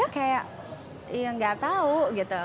kayak ya gak tau gitu